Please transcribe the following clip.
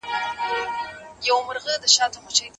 د کور پخلی خوندي کېدای شي.